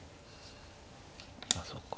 あそうか。